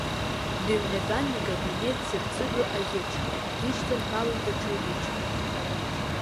Дыҩнатәан икабинет цырцыруа аӷьыч, дишьҭарԥало даҽа ӷьычк.